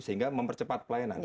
sehingga mempercepat pelayanan